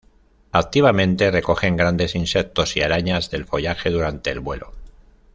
Activamente recogen grandes insectos y arañas del follaje durante el vuelo.